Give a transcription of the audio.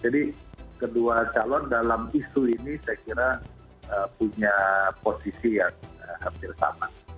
jadi kedua calon dalam isu ini saya kira punya posisi yang hampir sama